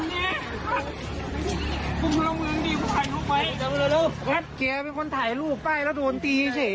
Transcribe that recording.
นี่แหละค่ะคลิปนี้นะคะคุณแม่ของหนุ่มผู้เสียหาย